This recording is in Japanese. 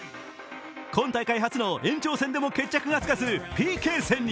今大会初の延長戦でも決着がつかず、ＰＫ戦に。